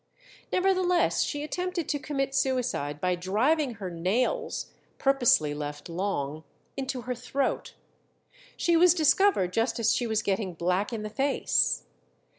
Nevertheless, she attempted to commit suicide by driving her nails, purposely left long, into her throat. She was discovered just as she was getting black in the face.